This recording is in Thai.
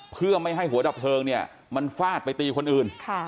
เพื่อไม่ให้หัวดับเพลิงเนี่ยมันฟาดไปตีคนอื่น